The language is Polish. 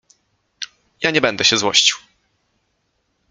— Ja nie będę się złościł.